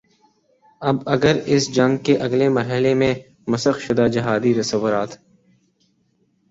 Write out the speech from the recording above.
اب اگر اس جنگ کے اگلے مرحلے میں مسخ شدہ جہادی تصورات